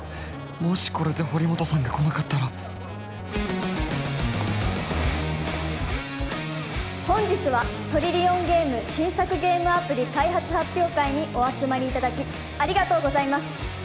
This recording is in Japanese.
もしこれで堀本さんが来なかったら本日はトリリオンゲーム新作ゲームアプリ開発発表会にお集まりいただきありがとうございます